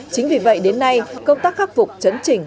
chính vì vậy đến nay công tác khắc phục chấn trình